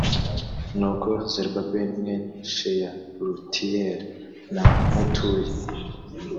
nuko zerubabeli mwene sheyalutiyeli na mutuyi